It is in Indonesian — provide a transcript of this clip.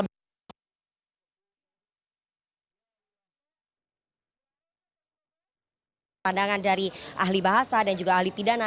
pemutaran video ini juga memiliki pandangan dari ahli bahasa dan juga ahli pidana